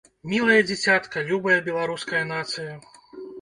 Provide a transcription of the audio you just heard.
Мілае дзіцятка, любая Беларуская Нацыя.